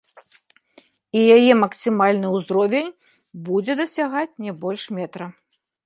І яе максімальны ўзровень будзе дасягаць не больш метра.